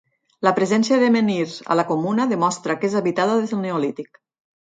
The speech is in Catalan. La presència de menhirs a la comuna demostra que és habitada des del neolític.